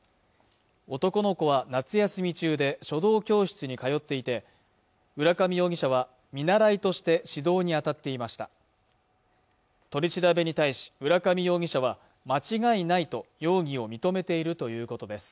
男の子は夏休み中で書道教室にかよっていて浦上容疑者は見習いとして指導に当たっていました取り調べに対し浦上容疑者は間違いないと容疑を認めているということです